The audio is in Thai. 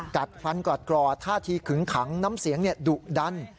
กัดฟันกรอดท่าทีขึงขังน้ำเสียงดุดัน